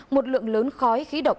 một lượng lớn khói khí độc